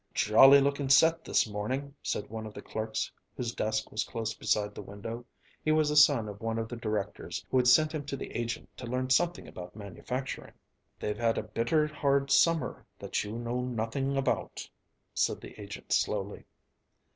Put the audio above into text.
"Jolly looking set this morning," said one of the clerks whose desk was close beside the window; he was a son of one of the directors, who had sent him to the agent to learn something about manufacturing. "They've had a bitter hard summer that you know nothing about," said the agent slowly.